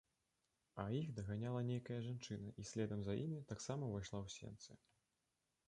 А іх даганяла нейкая жанчына і следам за імі таксама ўвайшла ў сенцы.